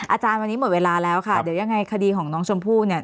อาจารย์วันนี้หมดเวลาแล้วค่ะเดี๋ยวยังไงคดีของน้องชมพู่เนี่ย